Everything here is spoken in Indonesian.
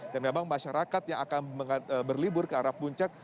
dan memang masyarakat yang akan berlibur ke arah puncak